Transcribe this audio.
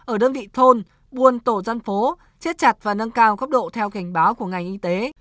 ở đơn vị thôn buôn tổ dân phố siết chặt và nâng cao góc độ theo cảnh báo của ngành y tế